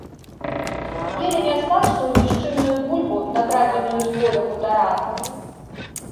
Елі нясмачную нішчымную бульбу, накрадзеную з поля хутаран.